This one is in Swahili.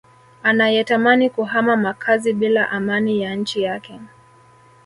anayetamani kuhama makazi bila amani ya nchi yake